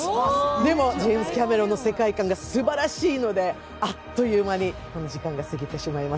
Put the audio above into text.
でもジェームズ・キャメロンの世界観がすばらしいので、あっという間に時間が過ぎてしまいます。